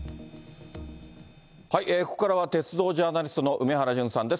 ここからは鉄道ジャーナリストの梅原淳さんです。